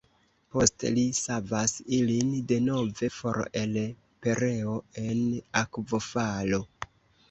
Poste li savas ilin denove for el pereo en akvofalo.